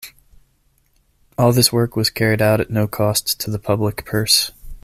All this work was carried out at no cost to the public purse.